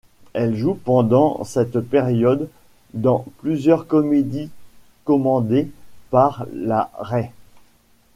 Elle joue pendant cette période dans plusieurs comédies commandées par la Rai.